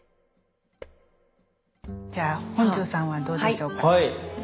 じゃあ本上さんはどうでしょうか？